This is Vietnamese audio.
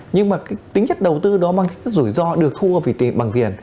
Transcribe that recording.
nhưng mà tính chất đầu tư đó mang các rủi ro được thu hút bằng tiền